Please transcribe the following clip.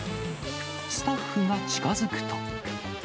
スタッフが近づくと。